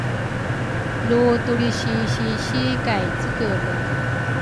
Lu tulrisisisi kay cekele